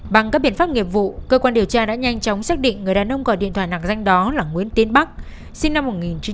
bằng các biện pháp nghiệp vụ cơ quan điều tra đã nhanh chóng xác định người đàn ông gọi điện thoại nạc danh đó là nguyễn tiến bắc sinh năm một nghìn chín trăm tám mươi